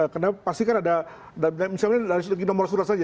karena pasti kan ada misalnya dari segi nomor sudah saja